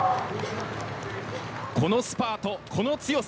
このスパート、この強さ。